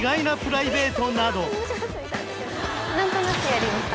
何となくやりました